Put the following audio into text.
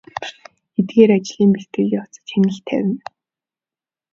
Эдгээр ажлын бэлтгэл явцад хяналт тавина.